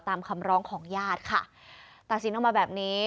ตามคำร้องของญาติค่ะตัดสินออกมาแบบนี้